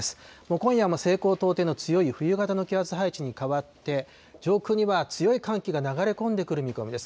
今夜、西高東低の強い冬型の気圧配置に変わって、上空には強い寒気が流れ込んでくる見込みです。